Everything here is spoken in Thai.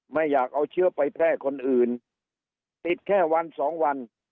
ไม่อยากเอาเชื้อไปแพร่คนอื่นติดแค่วันสองวัน